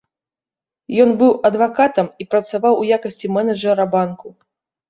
Ён быў адвакатам і працаваў у якасці менеджара банку.